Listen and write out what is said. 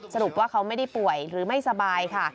สรุปว่าเขาไม่ได้ป่วยหรือไม่สบายค่ะ